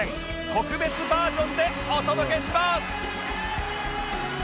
特別バージョンでお届けします！